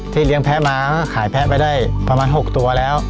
เลี้ยงแพ้มาก็ขายแพ้ไปได้ประมาณ๖ตัวแล้ว